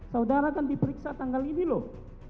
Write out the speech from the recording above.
saudara kan diperiksa tanggal ini loh